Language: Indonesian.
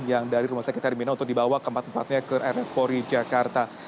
yang dari rumah sakit hermina untuk dibawa keempat empatnya ke rs polri jakarta